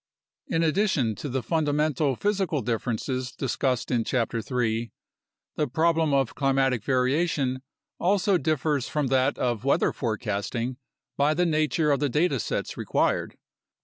In addition to the fundamental physical differences discussed in Chapter 3, the problem of climatic variation also differs from that of weather forecasting by the nature of the data sets required.